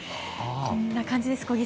こんな感じです。